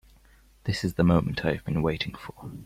This is the moment I have been waiting for.